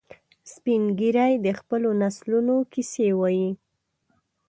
سپین ږیری د خپلو نسلونو کیسې وایي